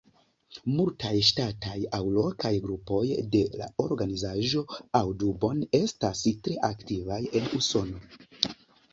Multaj ŝtataj aŭ lokaj grupoj de la organizaĵo Audubon estas tre aktivaj en Usono.